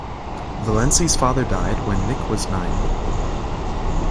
Valensi's father died when Nick was nine.